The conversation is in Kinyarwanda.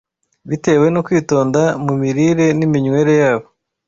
bitewe no kwitonda mu mirire n’iminywere yabo.